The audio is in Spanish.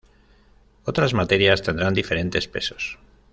Otras materias tendrán diferentes pesos.